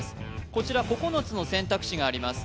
こちら９つの選択肢があります